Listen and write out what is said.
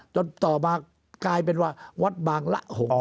จนต่อมากลายเป็นวัดบางระหงค์